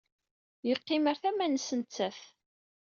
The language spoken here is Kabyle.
Yeqqim ɣer tama-nnes nettat.